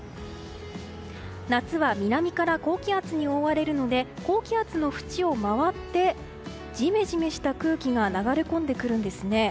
夏は南から高気圧に覆われるので高気圧のふちを回ってじめじめした空気が流れ込んでくるんですね。